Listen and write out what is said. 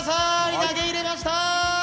投げ入れました。